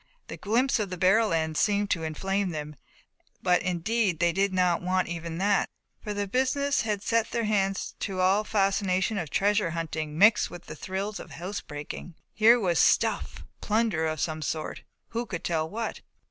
The glimpse of the barrel end seemed to inflame them, but indeed they did not want even that, for the business they had set their hands to had all the fascination of treasure hunting mixed with the thrills of house breaking. Here was "stuff," plunder of some sort, who could tell what?